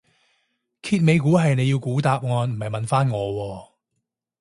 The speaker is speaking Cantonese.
揭尾故係你要估答案唔係問返我喎